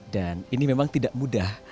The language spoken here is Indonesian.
dan ini memang tidak mudah